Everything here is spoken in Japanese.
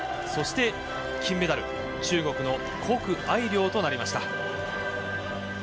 そして、金メダル中国の谷愛凌となりました。